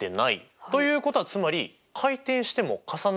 ということはつまり回転しても重なるものがない。